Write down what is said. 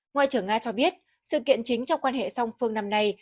ngoại trưởng nga cho biết sự kiện chính trong quan hệ song phương năm nay